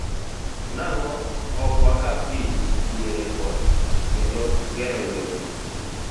Nang'o ok waka pii diere koth kendo gero yewni.